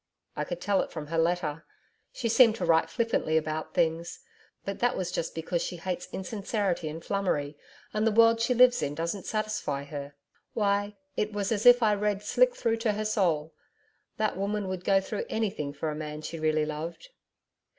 'I could tell it from her letter. She seemed to write flippantly about things but that was just because she hates insincerity and flummery, and the world she lives in doesn't satisfy her. Why, it was as if I read slick through to her soul. That woman would go through anything for a man she really loved.'